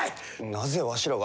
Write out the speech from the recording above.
なぜわしらが。